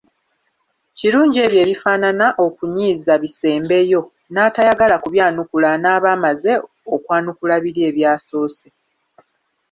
Kirungi ebyo ebifaanana okunyiiza bisembeyo, n’atayagala kubyanukula anaaba amaze okwanukula biri ebyasoose.